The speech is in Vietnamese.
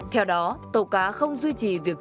theo đó tàu cá không duy trì việc